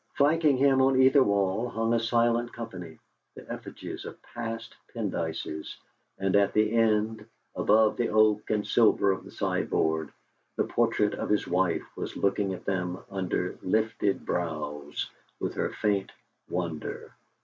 Flanking him on either wall hung a silent company, the effigies of past Pendyces; and at the end, above the oak and silver of the sideboard, the portrait of his wife was looking at them under lifted brows, with her faint wonder.